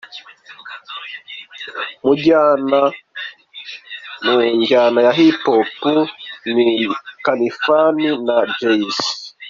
Mu njyana ya Hip Hop ni Lkalifan na Jay c.